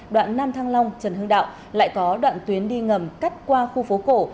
đoạn nam thăng long trần hưng đạo lại có đoạn tuyến đi ngầm cắt qua khu phố cổ